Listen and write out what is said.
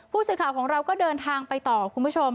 ผู้สื่อข่าวของเราก็เดินทางไปต่อคุณผู้ชม